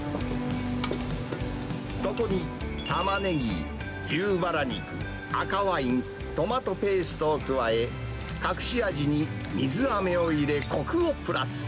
そこにタマネギ、牛バラ肉、赤ワイン、トマトペーストを加え、隠し味に水あめを入れ、こくをプラス。